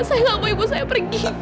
saya gak mau ibu saya pergi